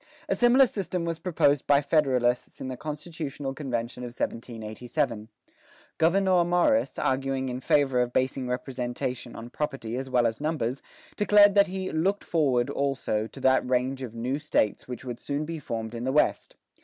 A similar system was proposed by Federalists in the constitutional convention of 1787. Gouverneur Morris, arguing in favor of basing representation on property as well as numbers, declared that "he looked forward, also, to that range of new States which would soon be formed in the West.